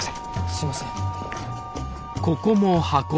すいません。